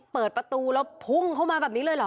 เปิดประตูแล้วพุ่งเข้ามาแบบนี้เลยเหรอ